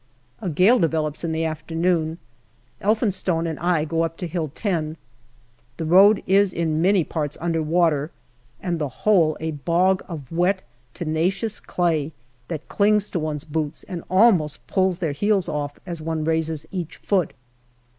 A gale develops in the afternoon. Elphinsttine and I go up to Hill 10. The road is in many parts under water, and the whole a bog of wet, tenacious clay that clings to one's boots and almost pulls their heels off as one raises each foot.